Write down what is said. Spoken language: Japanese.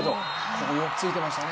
ここよくついてましたね。